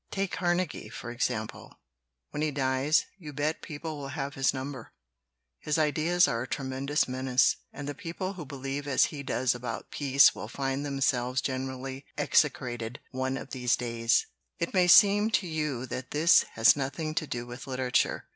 "Take Carnegie, for example; when he dies, you bet people will have his number! His ideas are a tremendous menace, and the people who LITERATURE IN THE MAKING believe as he does about peace will find themselves generally execrated one of these days. "It may seem to you that this has nothing to do with literature.